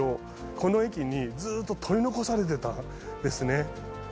この駅にずっと取り残されてたんですね。